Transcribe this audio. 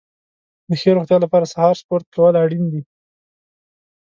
د ښې روغتیا لپاره سهار سپورت کول اړین دي.